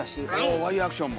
おワイヤーアクションも。